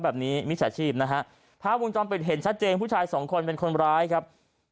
แบบนี้มิจฉัยชีพนะฮะพระบุญจรเป็นเห็นชัดเจนผู้ชายสองคนเป็นคนร้ายครับ